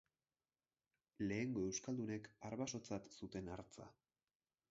Lehengo euskaldunek arbasotzat zuten hartza.